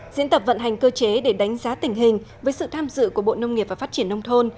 diễn tập vận hành cơ chế để đánh giá tình hình với sự tham dự của bộ nông nghiệp và phát triển nông thôn